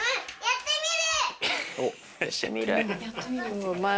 やってみるって。